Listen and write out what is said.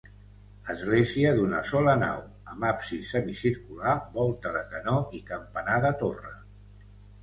Església d'una sola nau, amb absis semicircular, volta de canó i campanar de torre.